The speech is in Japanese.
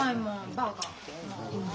バカ。